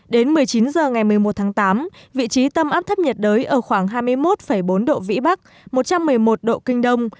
đến một mươi chín h ngày một mươi một tháng tám vị trí tâm áp thấp nhiệt đới ở khoảng hai mươi một bốn độ vĩ bắc một trăm một mươi một độ kinh đông